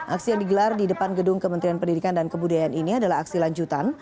aksi yang digelar di depan gedung kementerian pendidikan dan kebudayaan ini adalah aksi lanjutan